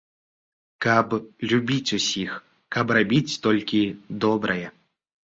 Каб любіць усіх, каб рабіць толькі добрае.